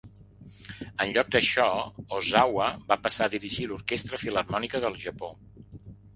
En lloc d'això, Ozawa va passar a dirigir l'orquestra filharmònica del Japó.